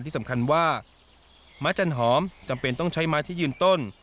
ที่สำคัญว่าม้าจันหอมจำเป็นต้องใช้ไม้ที่ยืนต้น